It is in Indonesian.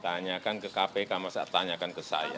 tanyakan ke kpk masa tanyakan ke saya